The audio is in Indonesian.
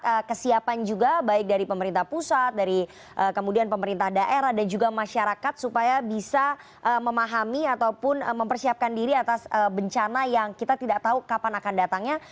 dan juga kesiapan juga baik dari pemerintah pusat dari pemerintah daerah dan juga masyarakat supaya bisa memahami ataupun mempersiapkan diri atas bencana yang kita tidak tahu kapan akan datangnya